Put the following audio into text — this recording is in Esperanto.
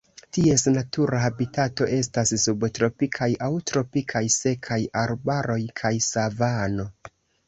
Ties natura habitato estas subtropikaj aŭ tropikaj sekaj arbaroj kaj savano.